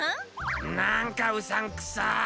なんかうさんくさっ。